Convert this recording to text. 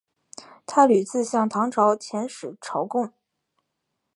他屡次向唐朝遣使朝贡。